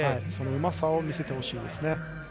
うまさを見せてほしいですね。